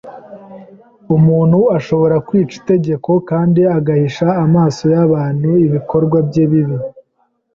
Umuntu ashobora kwica itegeko, kandi agahisha amaso y’abantu ibikorwa bye bibi,